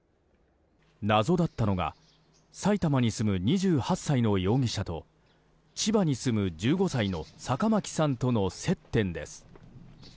謎だったのが埼玉に住む２８歳の容疑者と千葉に住む１５歳の坂巻さんとの接点です。